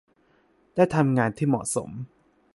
ได้ทำงานที่เหมาะสม